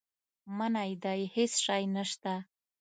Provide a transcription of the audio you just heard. منی دی هېڅ شی نه شته.